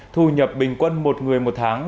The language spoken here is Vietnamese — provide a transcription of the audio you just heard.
thu nhập bình quân một người một tháng